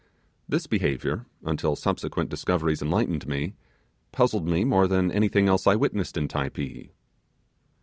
This behaviour, until subsequent discoveries enlightened me, puzzled me more than anything else I witnessed in Typee.